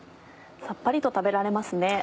さっぱりと食べられますね。